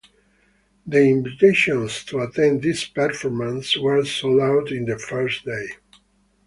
The invitations to attend this performance were sold out in the first day.